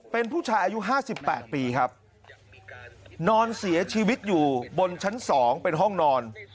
เป็นผู้ชายอายุ๕๘ปีครับนอนเสียชีวิตอยู่บนชั้น๒เป็นห้องนอน